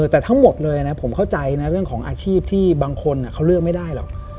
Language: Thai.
แต่ทั้งหมดเลยนะผมเข้าใจนะเรื่องของอาชีพที่บางคนเขาเลือกไม่ได้หรอก